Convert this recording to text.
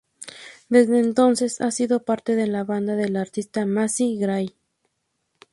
Desde entonces, ha sido parte de la banda de la artista Macy Gray.